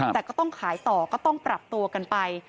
แต่ก็ต้องขายต่อก็ต้องปรับตัวกันไป